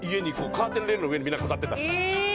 カーテンレールの上に飾ってた。